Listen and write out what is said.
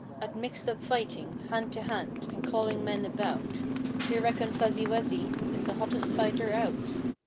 At mixed up fighting, hand to hand, and clawing men about They reckon Fuzzy wuzzy is the hottest fighter out.